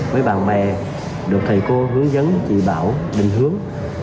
với bạn bè được thầy cô hướng dẫn chỉ bảo định hướng